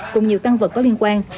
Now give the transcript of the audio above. cùng nhiều tăng vật có liên quan